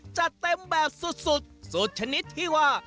จัดเต็มแบบสุดสุดชนิดที่ว่า